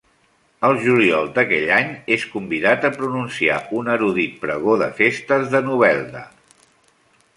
El juliol d'aquell any és convidat a pronunciar un erudit pregó de festes de Novelda.